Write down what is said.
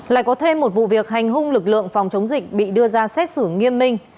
lại có thêm một vụ việc hành hung lực lượng phòng chống dịch bị đưa ra xét xử nghiêm minh